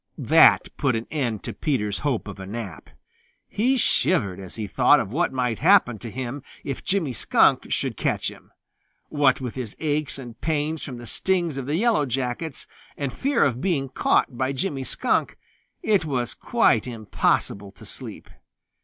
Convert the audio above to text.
That put an end to Peter's hope of a nap. He shivered as he thought of what might happen to him if Jimmy Skunk should catch him. What with his aches and pains from the stings of the Yellow Jackets, and fear of being caught by Jimmy Skunk, it was quite impossible to sleep.